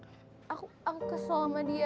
aku kesel sama dia